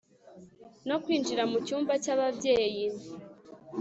no kwinjira mucyumba cyababyeyi